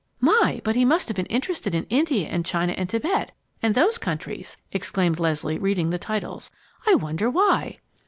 "My, but he must have been interested in India and China and Tibet and those countries!" exclaimed Leslie, reading the titles. "I wonder why?"